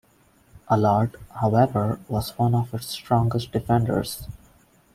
Allard, however, was one of its strongest defenders.